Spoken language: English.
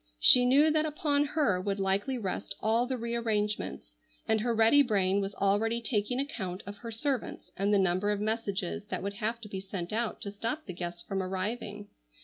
She knew that upon her would likely rest all the re arrangements, and her ready brain was already taking account of her servants and the number of messages that would have to be sent out to stop the guests from arriving.